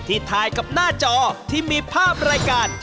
ถ่ายกับหน้าจอที่มีภาพรายการ